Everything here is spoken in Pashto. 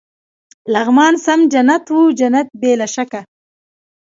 لغمان سم جنت و، جنت بې له شکه.